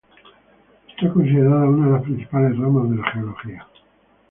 Es considerada una de las principales ramas de la geología.